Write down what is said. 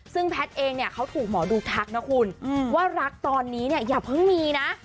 ซึ่งแพทย์เองเนี่ยเขาถูกหมอดูทักนะคุณว่ารักตอนนี้เนี่ยอย่าเพิ่งมีนะ